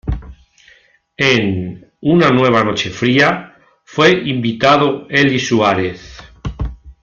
En "Una nueva noche fría", fue invitado Eli Suárez.